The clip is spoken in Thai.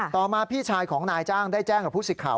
ต่อมาพี่ชายของนายจ้างได้แจ้งกับผู้สิทธิ์ข่าว